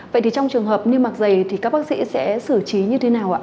vậy thì trong trường hợp niêm mạc dày thì các bác sĩ sẽ xử trí như thế nào ạ